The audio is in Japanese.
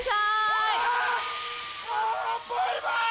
バイバイ！